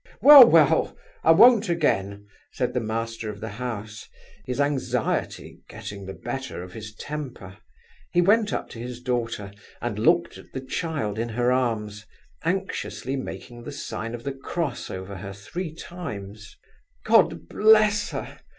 "Well, well! I won't again," said the master of the house, his anxiety getting the better of his temper. He went up to his daughter, and looked at the child in her arms, anxiously making the sign of the cross over her three times. "God bless her!